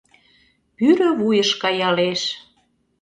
Пӱрӧ вуйыш каялеш.